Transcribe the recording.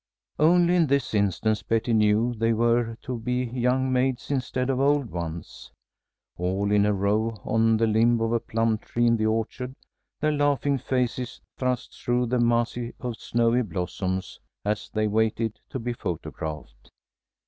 Only in this instance Betty knew they were to be young maids instead of old ones, all in a row on the limb of a plum tree in the orchard, their laughing faces thrust through the mass of snowy blossoms, as they waited to be photographed.